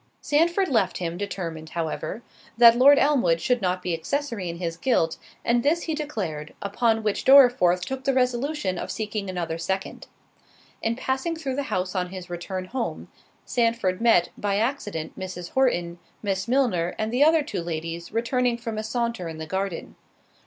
Sandford left him, determined, however, that Lord Elmwood should not be accessory in his guilt, and this he declared; upon which Dorriforth took the resolution of seeking another second. In passing through the house on his return home, Sandford met, by accident, Mrs. Horton, Miss Milner, and the other two ladies returning from a saunter in the garden.